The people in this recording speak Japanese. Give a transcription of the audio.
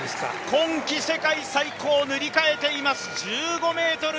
今季世界最高を塗り替えています